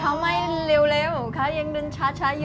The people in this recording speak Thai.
เขาไม่เร็วเขายังลืมช้าอยู่